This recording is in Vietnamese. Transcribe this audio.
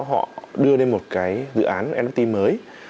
họ đưa lên một cái dự án nft mới